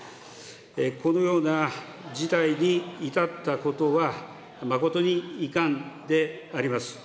このような事態に至ったことは、誠に遺憾であります。